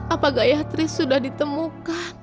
apakah gayatri sudah ditemukah